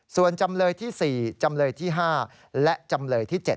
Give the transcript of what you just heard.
ส่วนจำเลยที่๔จำเลยที่๕และจำเลยที่๗